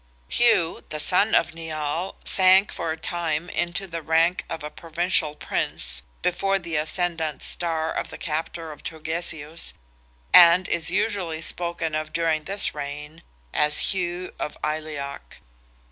Hugh, the son of Nial, sank for a time into the rank of a Provincial Prince, before the ascendant star of the captor of Turgesius, and is usually spoken of during this reign as "Hugh of Aileach."